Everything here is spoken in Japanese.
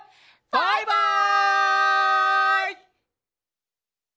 バイバイ！